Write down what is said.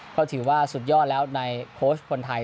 ก็ถือว่าสุดยอดแล้วในโค้ชคนไทย